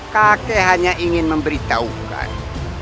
kakek hanya ingin memberitahukan